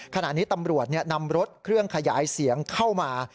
ขณะนี้ตำรวจนำรถเครื่องขยายเสียงเข้ามา